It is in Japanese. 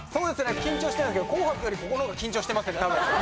緊張してるんですけど『紅白』よりここの方が緊張してますね多分。